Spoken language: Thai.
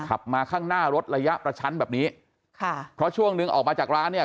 ขับมาข้างหน้ารถระยะประชันแบบนี้ค่ะเพราะช่วงนึงออกมาจากร้านเนี่ย